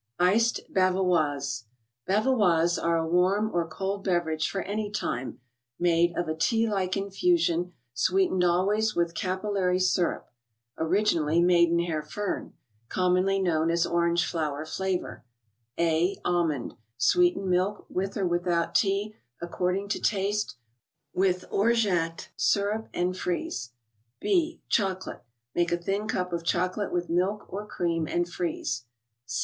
ICED BEVERAGES,, 63 l3aba£otge& Bavaroises are a warm ° r cold beverage for any time, made of a tea like infusion, sweetened always with capil¬ lary syrup (originally maiden hair fern),—commonly known as orange flower flavor. A.— Almond : sweeten milk, with or without tea, according to taste, with Orgeat syrup, and freeze. B.— Chocolate : Make a thin cup of chocolate with milk or cream and freeze.